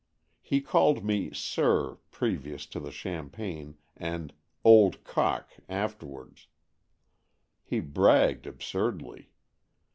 He called me "Sir" previous to the champagne, and " old cock " afterwards. He bragged absurdly.